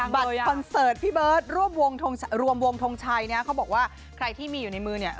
บัตรคอนเสิร์ตพี่เบิร์ดรวมวงทงชัยเนี้ยเขาบอกว่าใครที่มีอยู่ในมือเนี้ย